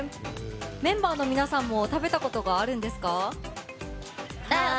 メンバーの皆さんも食べたことがあるんですか？